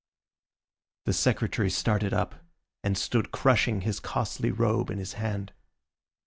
The Secretary started up, and stood crushing his costly robe in his hand.